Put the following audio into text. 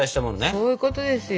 そういうことですよ。